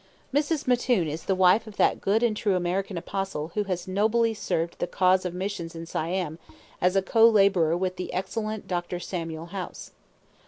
Mrs. Mattoon is the wife of that good and true American apostle who has nobly served the cause of missions in Siam as a co laborer with the excellent Dr. Samuel House.